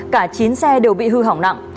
cả chín xe đều bị hư hỏng nặng